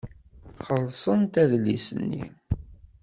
Xellṣent adlis-nni.